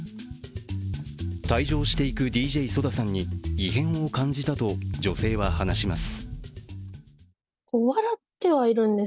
退場していくＤＪＳＯＤＡさんに異変を感じたと女性は話します。